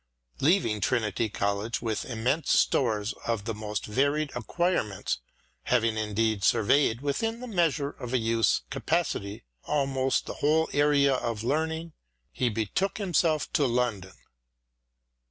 Leaving Trinity College with immense stores of the most varied acquirements, having indeed surveyed, within the measure of a youth's capacity, almost the whole area of learning, he betook himself to London.